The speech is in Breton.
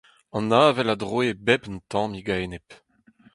An avel a droe bep un tammig a-enep.